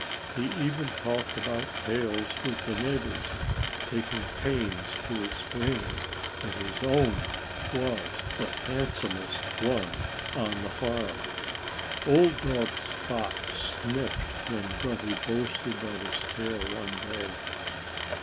He even talked about tails with the neighbors, taking pains to explain that his own was the handsomest one on the farm. Old dog Spot sniffed when Grunty boasted about his tail one day.